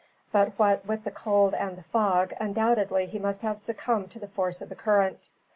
But what, with the cold and the fog, undoubtedly he must have succumbed to the force of the current."